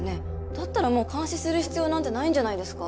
だったらもう監視する必要なんてないんじゃないですか？